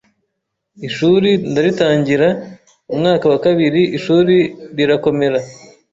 ishuri ndaritangira, umwaka wa kabiri ishuri rirakomera